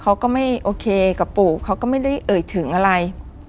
เขาก็ไม่โอเคกับปู่เขาก็ไม่ได้เอ่ยถึงอะไร